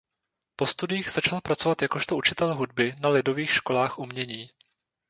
Po studiích začal pracovat jakožto učitel hudby na lidových školách umění.